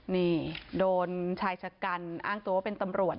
นี่โดนชายชะกันอ้างตัวว่าเป็นตำรวจ